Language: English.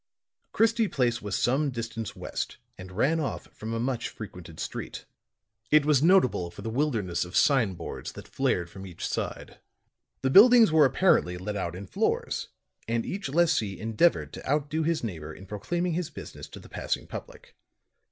Christie Place was some distance west and ran off from a much frequented street. It was notable for the wilderness of sign boards that flared from each side. The buildings were apparently let out in floors and each lessee endeavored to outdo his neighbor in proclaiming his business to the passing public.